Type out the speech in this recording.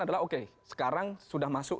adalah oke sekarang sudah masuk